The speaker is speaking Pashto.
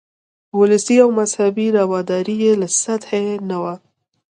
ولسي او مذهبي رواداري یې له سطحې نه وه.